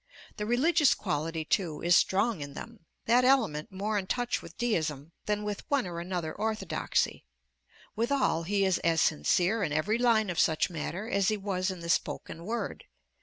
The religious quality, too, is strong in them; that element more in touch with Deism than with one or another orthodoxy. Withal, he is as sincere in every line of such matter as he was in the spoken word.